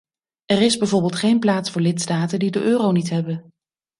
Er is bijvoorbeeld geen plaats voor lidstaten die de euro niet hebben.